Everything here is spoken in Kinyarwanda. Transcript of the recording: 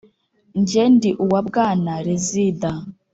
Jye ndi uwa bwana Rezida.